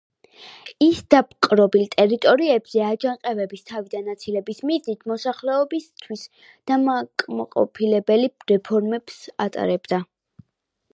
ის დაპყრობილ ტერიტორიებზე აჯანყებების თავიდან აცილების მიზნით მოსახლეობისთვის დამაკმაყოფილებელი რეფორმებს ატარებდა.